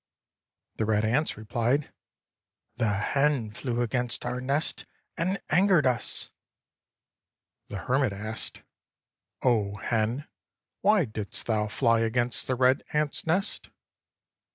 The red ants repHed: "The hen flew against our nest and angered us," The hermit asked: " O hen, why didst thou fly against the red ants' nest?"